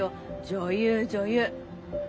女優女優。